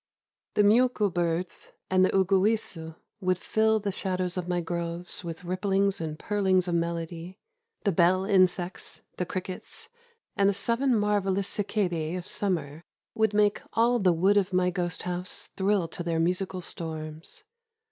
The muku hirds and the uguisu would fill the shadows of my grove with ripplings and purlings of melody; — the bell insects, the crickets, and the seven marvelous cicad;3e of summer would make all the wood of my ghost house thrill to their musical storms.